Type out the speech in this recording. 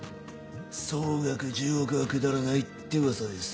総額１０億はくだらないってウワサです。